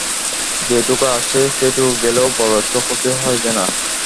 যেটুকু আছে সেটুকু গেলেও বড়ো একটা ক্ষতি হইবে না।